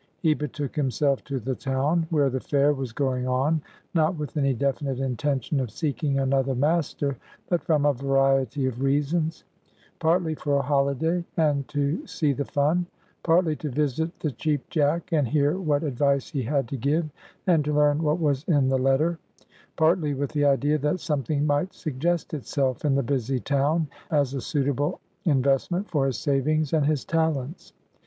He betook himself to the town, where the fair was going on, not with any definite intention of seeking another master, but from a variety of reasons: partly for a holiday, and to "see the fun;" partly to visit the Cheap Jack, and hear what advice he had to give, and to learn what was in the letter; partly with the idea that something might suggest itself in the busy town as a suitable investment for his savings and his talents.